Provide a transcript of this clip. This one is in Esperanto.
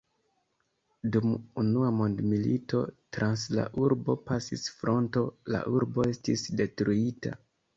Dum Unua mondmilito trans la urbo pasis fronto, la urbo estis detruita.